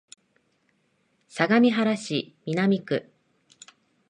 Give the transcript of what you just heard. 相模原市南区